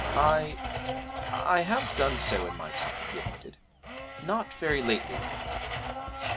'I I have done so in my time,' he admitted; 'not very lately.'